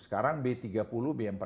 sekarang b tiga puluh b empat puluh